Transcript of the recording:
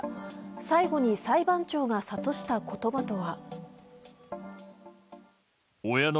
最後に裁判長が諭した言葉とは。